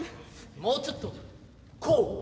もうちょっとこう。